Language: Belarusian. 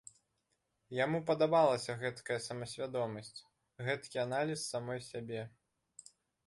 Яму падабалася гэткая самасвядомасць, гэткі аналіз самой сябе.